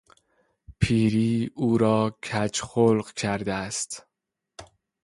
پیری او را کج خلق کرده است.